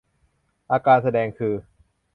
อาการแสดงคือ